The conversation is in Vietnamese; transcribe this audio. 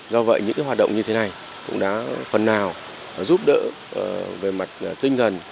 do vậy những hoạt động như thế này cũng đã phần nào giúp đỡ về mặt tinh thần